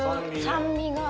酸味が。